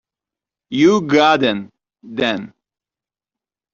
You got in, then?